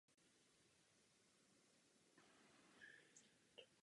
Patří sem přes třicet druhů.